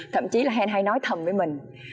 thậm chí là hèn hay nói thầm với mình